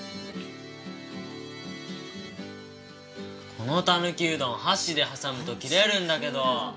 このたぬきうどん箸で挟むと切れるんだけど！